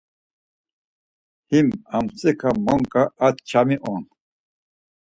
Him amtsika monǩa a ç̌ami on.